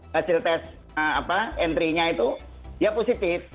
hasil tes entry nya itu dia positif